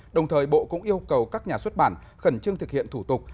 đồng thời bộ cũng yêu cầu các nhà xuất bản khẩn trương thực hiện thủ tục